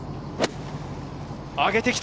上げてきた。